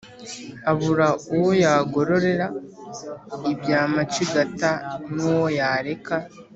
abura uwo yagororera ibya macigata n'uwo yareka